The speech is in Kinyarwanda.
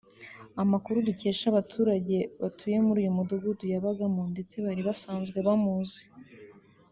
Amakuru dukesha abaturage batuye muri uyu mudugudu yabagamo ndetse bari basanzwe bamuzi